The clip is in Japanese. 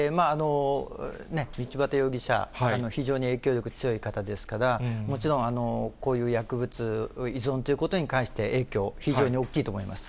道端容疑者、非常に影響力強い方ですから、もちろん、こういう薬物依存ということに関して、影響、非常に大きいと思います。